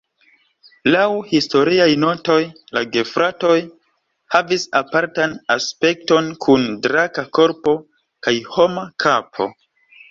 Laŭ historiaj notoj la gefratoj havis apartan aspekton kun draka korpo kaj homa kapo.